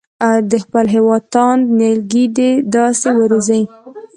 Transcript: د خپل هېواد تاند نیالګي دې داسې وروزي.